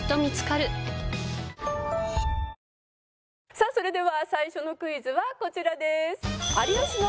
さあそれでは最初のクイズはこちらです。